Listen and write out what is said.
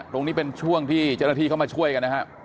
ตรงนี้เป็นช่วงที่เจ้าหน้าที่เข้ามาช่วยกันนะครับ